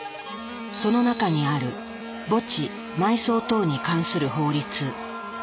その中にある「墓地埋葬等に関する法律」。